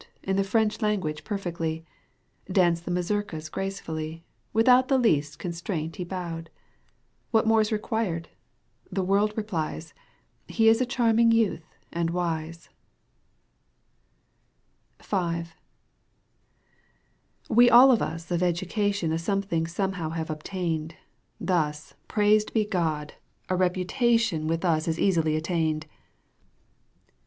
In the French language perfectly, Danced the mazurka gracefully. Without the least constraint he bowed. What more's required ? The world replies. He is a charming youth and wise. We all of us of education A something somehow have obtained, Thus, praised be God ! a reputation Digitized by VjOOQ 1С EUGENE ON^GUINE. canto i. With us is easily attained.